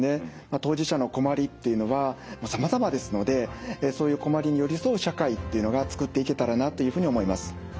当事者の困りっていうのはさまざまですのでそういう困りに寄り添う社会っていうのがつくっていけたらなというふうに思います。